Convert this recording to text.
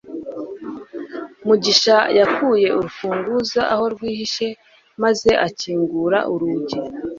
mugisha yakuye urufunguzo aho rwihishe maze akingura urugi